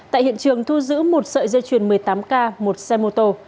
tại hiện trường thu giữ một sợi dây chuyền một mươi tám k một xe mô tô